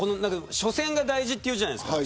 初戦が大事って言うじゃないですか。